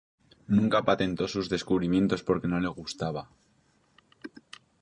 Nunca patentó sus descubrimientos porque no le gustaba.